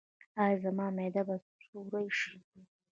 ایا زما معده به سورۍ شي؟